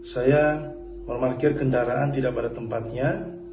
saya memarkir kendaraan tidak pada tempatnya